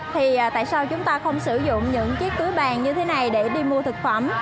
thì tại sao chúng ta không sử dụng những chiếc túi bàn như thế này để đi mua thực phẩm